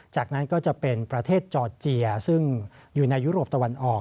จากนั้นก็จะเป็นประเทศจอร์เจียซึ่งอยู่ในยุโรปตะวันออก